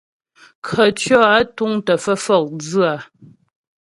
Krəcwɔ́ á túŋ tə́ fə́ fɔkdzʉ á ?